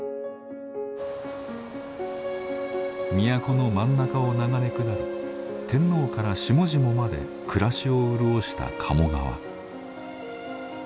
都の真ん中を流れ下り天皇から下々まで暮らしを潤した鴨川。